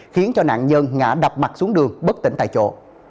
khiến cho nạn nhân ngã đập mặt xuống đường bất tỉnh tại chỗ